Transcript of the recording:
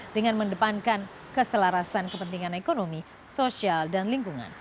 dengan mendepankan keselarasan kepentingan ekonomi sosial dan lingkungan